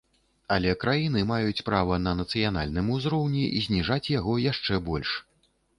Але краіны маюць права на нацыянальным узроўні зніжаць яго яшчэ больш.